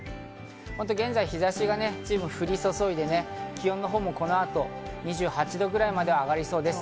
現在、日差しが随分、降り注いで気温もこの後２８度くらいまで上がりそうです。